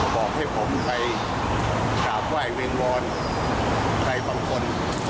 บอกให้ผมไปกราบไหว้เวียงวอนใครบางคน